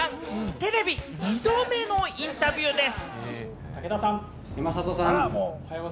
テレビ２度目のインタビューです。